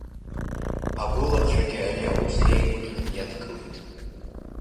Агәылацәагьы ари аус еигәырӷьан иадгылеит.